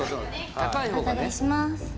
お伺いします